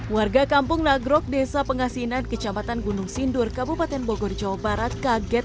warga kampung nagrok desa pengasinan kecamatan gunung sindur kabupaten bogor jawa barat kaget